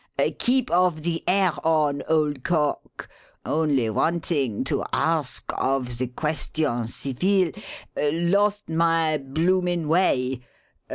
"Keep of the 'air on, ole coq! Only wantin' to arsk of the question civile. Lost my bloomin' way.